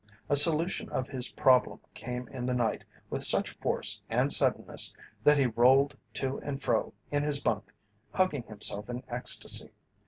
A solution of his problem came in the night with such force and suddenness that he rolled to and fro in his bunk, hugging himself in ecstasy.